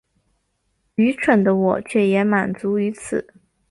愚蠢的我却也满足於此